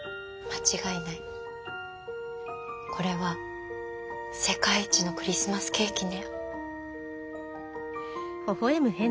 これは世界一のクリスマスケーキね。